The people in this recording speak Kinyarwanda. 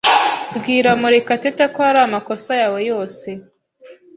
Bwira Murekatete ko ari amakosa yawe yose.